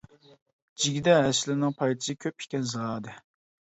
جىگدە ھەسىلىنىڭ پايدىسى كۆپ ئىكەن زادى.